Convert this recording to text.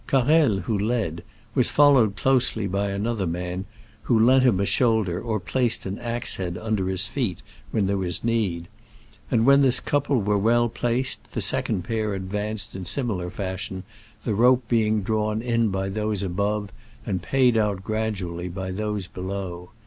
Carrel, who led, was followed closely by another man, who lent him a shoulder or placed an axe head under his feet when there was need ; and when this couple were well placed, the second pair advanced in similar fashion, the rope being drawn in by those above and paid out gradual ly by those below.